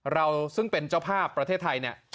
เราซึ่งเป็นเจ้าภาพประเทศไทยเนี่ย